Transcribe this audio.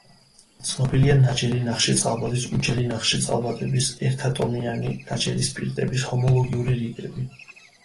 ცნობილია ნაჯერი ნახშირწყალბადების, უჯერი ნახშირწყალბადების, ერთატომიანი ნაჯერი სპირტების ჰომოლოგიური რიგები.